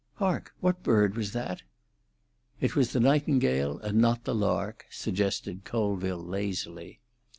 "Hark! What bird was that?" "'It was the nightingale, and not the lark,'" suggested Colville lazily.